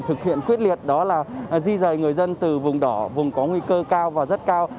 thực hiện quyết liệt đó là di rời người dân từ vùng đỏ vùng có nguy cơ cao và rất cao